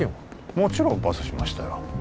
もちろんパスしましたよ